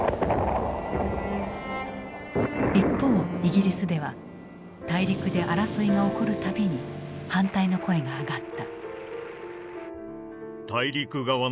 一方イギリスでは大陸で争いが起こる度に反対の声が上がった。